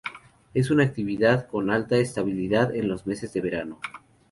Es una actividad con alta estacionalidad en los meses de verano.